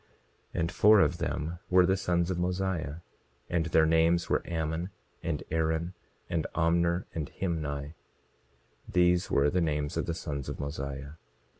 27:34 And four of them were the sons of Mosiah; and their names were Ammon, and Aaron, and Omner, and Himni; these were the names of the sons of Mosiah.